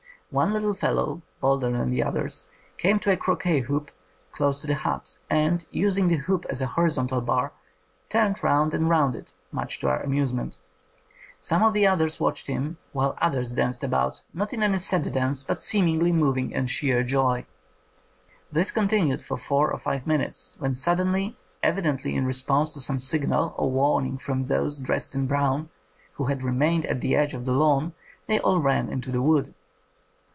One little fellow, bolder than the others, came to a croquet hoop close to the hut and, using the hoop as a horizontal bar, turned round and round it, much to our amusement. Some of the others watched him, while others danced about, not in any set dance, but seemingly moving in sheer joy. This continued for four or five minutes, when suddenly, evidently in re sponse to some signal or warning from those dressed in brown, who had remained at the edge of the lawn, they all ran into the wood.